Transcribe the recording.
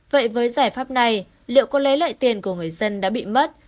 vậy với giải pháp này liệu có lấy lại tiền của người dân đã bị mất